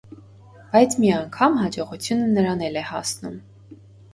Բայց մի անգամ հաջողությունը նրան էլ է հասնում։